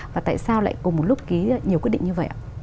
và tại sao lại cùng một lúc ký nhiều quyết định như vậy ạ